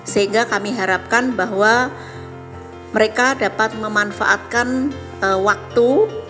sehingga kami harapkan bahwa mereka dapat memanfaatkan waktu